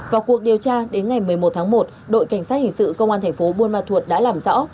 vào cuộc điều tra đến ngày một mươi một tháng một đội cảnh sát hình sự công an thành phố buôn ma thuột đã làm rõ